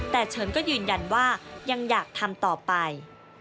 แต่เฉินก็ยืนยันว่ายังอยากทำต่อไป